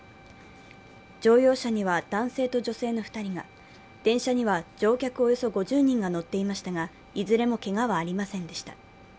乗用車には男性と女性の２人が電車には乗客およそ５０人が乗っていましたがいずれもけがはありませんでした。